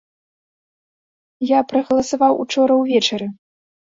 Я прагаласаваў учора ўвечары.